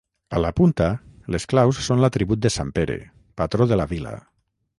A la punta, les claus són l'atribut de sant Pere, patró de la vila.